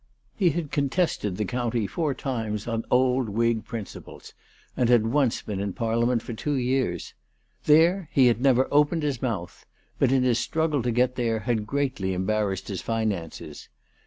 He had contested the county four times on old Whig principles, and had once been in Parliament for two years. There he had never opened his mouth ;; but in his struggle to get there had greatly embarrassed his finances.